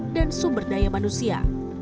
dan sumber daya manusia